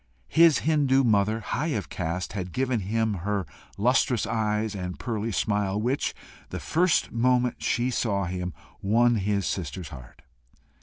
His Hindoo mother, high of caste, had given him her lustrous eyes and pearly smile, which, the first moment she saw him, won his sister's heart.